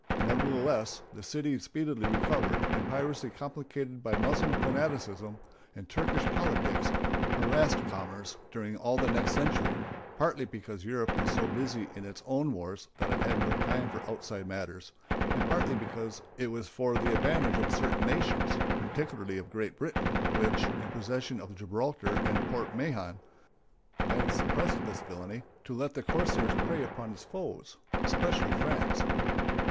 Nevertheless, the city speedily recovered, and piracy, complicated by Moslem fanaticism and Turkish politics, harassed commerce during all the next century, partly because Europe was so busy in its own wars that it had no time for outside matters, and partly because it was for the advantage of certain nations (particularly of Great Britain, which, in possession of Gibraltar and Port Mahon, might have suppressed this villainy) to let the corsairs prey upon its foes—especially France.